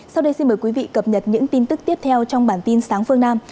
sau đây xin mời quý vị cập nhật những tin tức tiếp theo trong bản tin sáng phương nam